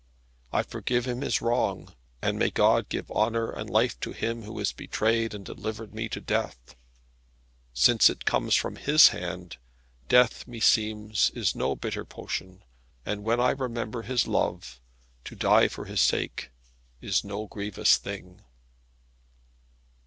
I forgive him his wrong, and may God give honour and life to him who has betrayed and delivered me to death. Since it comes from his hand, death, meseems, is no bitter potion; and when I remember his love, to die for his sake is no grievous thing."